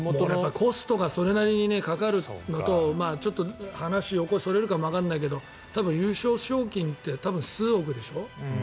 コストがそれなりにかかるのとちょっと横にそれるかもわからないけど優勝賞金って数億でしょ。